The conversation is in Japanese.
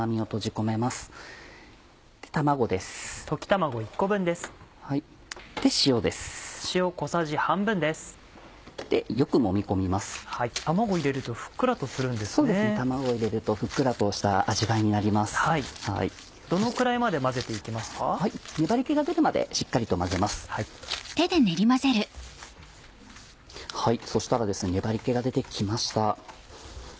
そしたら粘り気が出て来ました。